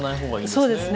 そうですね。